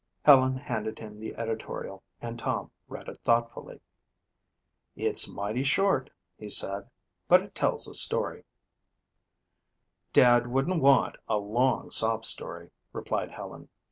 Helen handed him the editorial and Tom read it thoughtfully. "It's mighty short," he said, "but it tells the story." "Dad wouldn't want a long sob story," replied Helen.